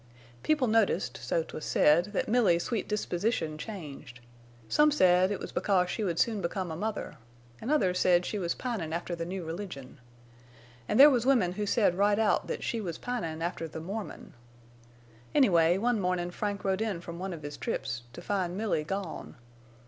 "People noticed, so 'twas said, that Milly's sweet disposition changed. Some said it was because she would soon become a mother, en' others said she was pinin' after the new religion. An' there was women who said right out that she was pinin' after the Mormon. Anyway, one mornin' Frank rode in from one of his trips, to find Milly gone.